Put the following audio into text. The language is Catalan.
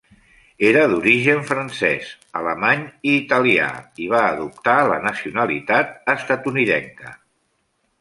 Era d'origen francès, alemany i italià i va adoptar la nacionalitat estatunidenca.